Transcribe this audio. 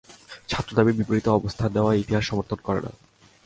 ছাত্রদাবির বিপরীতে অবস্থান নেওয়া ইতিহাস সমর্থন করে না।